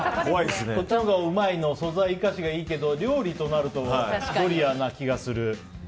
こっちのほうがうまいの素材生かしがいいけど料理となるとドリアな気がする。